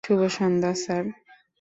শুভ সন্ধ্যা, স্যার।